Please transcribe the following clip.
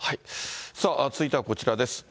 続いてはこちらです。